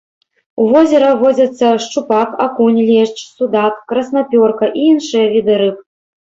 У возера водзяцца шчупак, акунь, лешч, судак, краснапёрка і іншыя віды рыб.